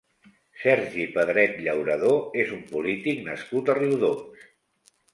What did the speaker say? Sergi Pedret Llauradó és un polític nascut a Riudoms.